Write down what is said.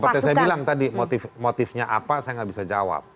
seperti saya bilang tadi motifnya apa saya nggak bisa jawab